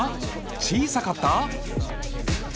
小さかった？